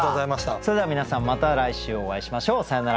それでは皆さんまた来週お会いしましょう。さようなら。